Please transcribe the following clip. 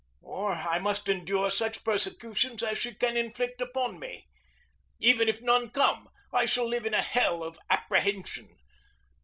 Or I must endure such persecutions as she can inflict upon me. Even if none come, I shall live in a hell of apprehension.